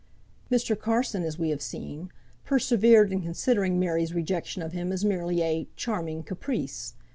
Mr. Carson, as we have seen, persevered in considering Mary's rejection of him as merely a "charming caprice."